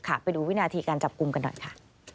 ไปดูวินาทีการจับกลุ่มกันหน่อยค่ะ